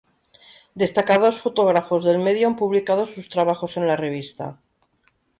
Destacados fotógrafos del medio han publicado sus trabajos en la revista.